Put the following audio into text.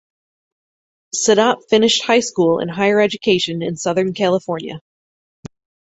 Sadat finished high school and higher education in southern California.